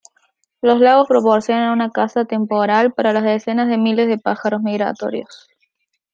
Los lagos proporcionan una casa temporal para las decenas de miles de pájaros migratorios.